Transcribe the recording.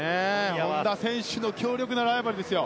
本多選手の強力なライバルですよ。